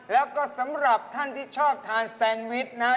แล้วก็สำหรับท่านที่ชอบทานแซนวิชนะครับ